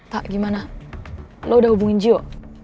pak gimana lo udah hubungin jio